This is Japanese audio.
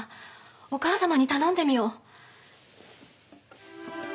お母様に頼んでみよう。